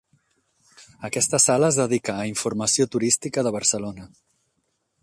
Aquesta sala es dedica a Informació Turística de Barcelona.